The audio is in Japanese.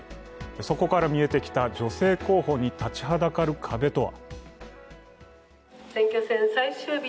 そこから見えてきた女性候補に立ちはだかる壁とは。